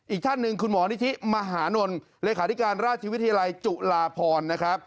อีกท่านหนึ่งคุณหมอนิธิมหานลเลขาธิการราชวิทยาลัยจุฬาพรนะครับ